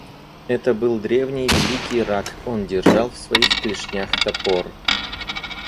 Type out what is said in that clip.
Это был древний, великий рак; он держал в своих клешнях топор.